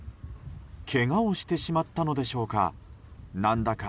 けがをしてしまったのでしょうか。